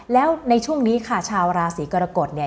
แล้วในช่วงนี้ค่ะชาวราศีกรกฎเนี่ย